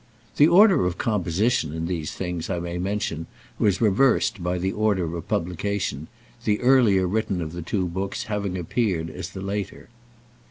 (The order of composition, in these things, I may mention, was reversed by the order of publication; the earlier written of the two books having appeared as the later.)